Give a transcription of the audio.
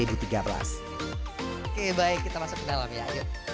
oke baik kita masuk ke dalam ya yuk